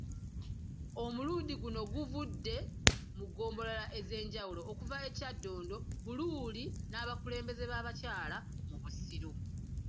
Omulundi guno guvudde mu ggombolola ez’enjawulo okuva e Kyaddondo, Buluuli n’abakulembeze b’abakyala mu Busiro.